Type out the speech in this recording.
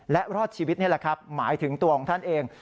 และรอดชีวิตนี่แหละครับหมายถึงตัวของท่านเอง